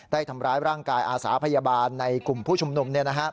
ได้ทำร้ายร่างกายอาสาพยาบาลในกลุ่มผู้ชุมนุม